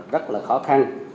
rất là khó khăn